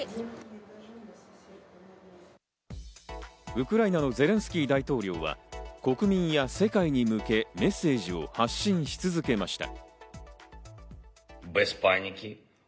ウクライナのゼレンスキー大統領は国民や、世界に向け、メッセージを発信し続けました。